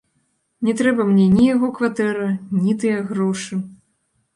Не трэба мне ні яго кватэра, ні тыя грошы.